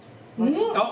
あっ！